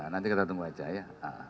nanti kita tunggu aja ya